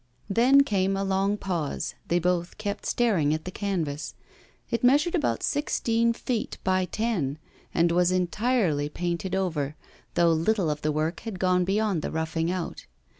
Then came a long pause; they both kept staring at the canvas. It measured about sixteen feet by ten, and was entirely painted over, though little of the work had gone beyond the roughing out.